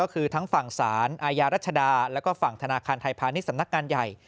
ก็คือทั้งฝั่งสารอาญารัชดาแล้วก็ฝั่งธนาคารไทยพาณิชย์สำนักงานใหญ่